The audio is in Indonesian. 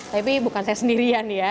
tapi bukan saya sendirian ya